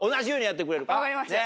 分かりました。